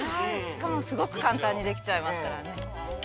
◆すごく簡単にできちゃいますからね。